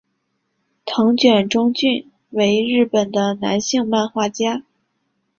藤卷忠俊为日本的男性漫画家。